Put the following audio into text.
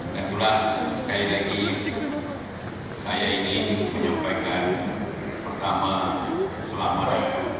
dan itulah sekali lagi saya ingin menyampaikan pertama selamat